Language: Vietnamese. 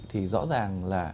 thì rõ ràng